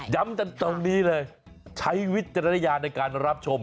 ย้ำตรงนี้เลยใช้วิทยาลายาศในการรับชม